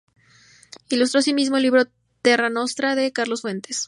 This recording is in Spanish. Ilustró asimismo el libro "Terra Nostra", de Carlos Fuentes.